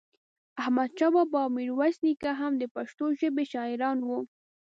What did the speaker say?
احمد شاه بابا او ميرويس نيکه هم دا پښتو ژبې شاعران وو